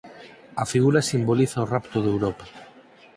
A figura simboliza o rapto de Europa.